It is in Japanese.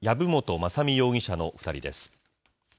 雅巳容疑者の２人です。